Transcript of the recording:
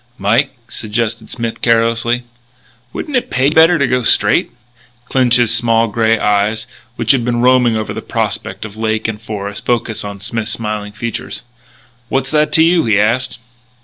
"Mike," suggested Smith carelessly, "wouldn't it pay you better to go straight?" Clinch's small grey eyes, which had been roaming over the prospect of lake and forest, focussed on Smith's smiling features. "What's that to you?" he asked.